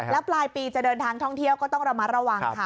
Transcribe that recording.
แล้วปลายปีจะเดินทางท่องเที่ยวก็ต้องระมัดระวังค่ะ